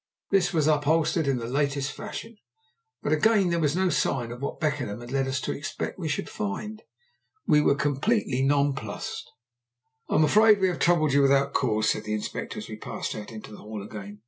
This was upholstered in the latest fashion; but again there was no sign of what Beckenham had led us to expect we should find. We were completely nonplussed. "I am afraid we have troubled you without cause," said the Inspector, as we passed out into the hall again.